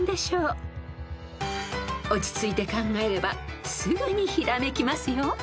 ［落ち着いて考えればすぐにひらめきますよ］